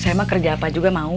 saya emang kerja apa juga mau